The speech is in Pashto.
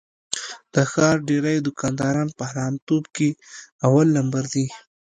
د ښار ډېری دوکانداران په حرامتوب کې اول لمبر دي.